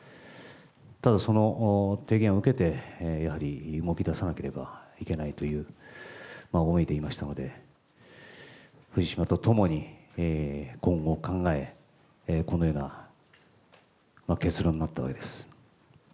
ただ、その提言を受けて、やはり動きださなければいけないという思いでいましたので、藤島と共に、今後を考え、このような結論になったわけです。